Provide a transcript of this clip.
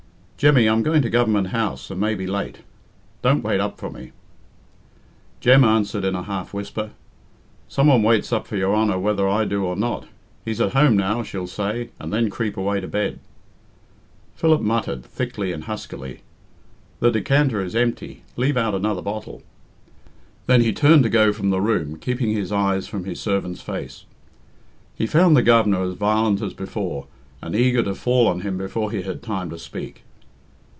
"Jemmy, I'm going to Government House, and may be late. Don't wait up for me." Jem answered in a half whisper, "Some one waits up for your Honour whether I do or not 'He's at home now,' she'll say, and then creep away to bed." Philip muttered, thickly and huskily, "The decanter is empty leave out another bottle." Then he turned to go from the room, keeping his eyes from his servant's face. He found the Governor as violent as before, and eager to fall on him before he had time to speak.